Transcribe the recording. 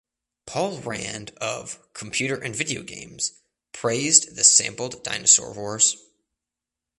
Paul Rand of "Computer and Video Games" praised the sampled dinosaur roars.